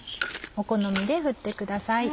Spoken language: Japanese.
お好みで振ってください。